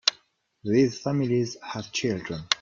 These families have children.